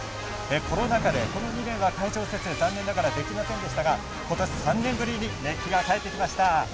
コロナ禍で、この２年は残念ながら会場の設営できませんでしたが３年ぶりに熱気が戻ってきました。